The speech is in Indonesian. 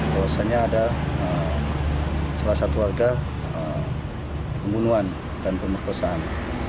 bahwasannya ada salah satu warga pembunuhan dan pemerkosaan